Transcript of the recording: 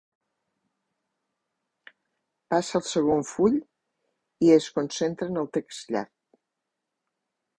Passa al segon full i es concentra en el text llarg.